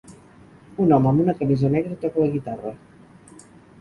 Un home amb una camisa negra toca la guitarra